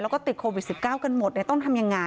แล้วก็ติดโควิด๑๙กันหมดต้องทำยังไง